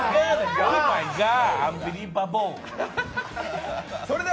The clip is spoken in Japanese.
アンビリーバボー。